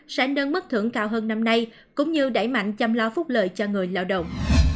sẽ nâng mức thưởng cao hơn năm nay cũng như đẩy mạnh chăm lo phúc lợi cho người lao động